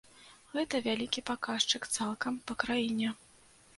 Гэта вялікі паказчык цалкам па краіне.